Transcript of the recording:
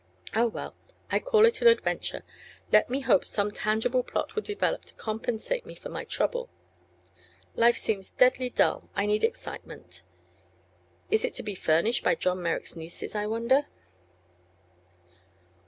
Ah, well: I called it an adventure: let me hope some tangible plot will develop to compensate me for my trouble. Life seems deadly dull; I need excitement. Is it to be furnished by John Merrick's nieces, I wonder?"